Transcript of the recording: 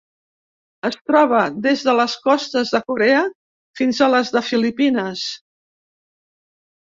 Es troba des de les costes de Corea fins a les de Filipines.